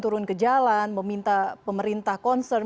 turun ke jalan meminta pemerintah concern